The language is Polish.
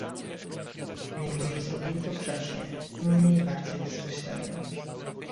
niektórzy zrobili to grzecznie, inni bardziej bezpośrednio